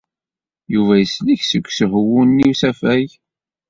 Yuba yeslek seg usehwu-nni n usafag.